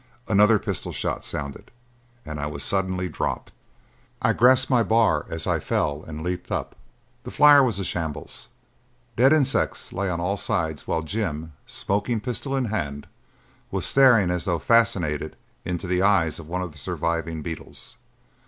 Another pistol shot sounded, and I was suddenly dropped. I grasped my bar as I fell and leaped up. The flyer was a shambles. Dead insects lay on all sides while Jim, smoking pistol in hand, was staring as though fascinated into the eyes of one of the surviving beetles.